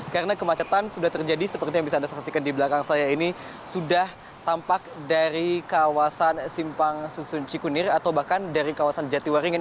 karena kemacetan sudah terjadi seperti yang bisa anda saksikan di belakang saya ini sudah tampak dari kawasan simpang susun cikunir atau bahkan dari kawasan jatiwaringan